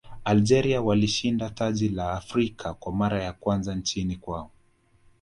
algeria walishinda taji la afrika kwa mara ya kwanza nchini kwao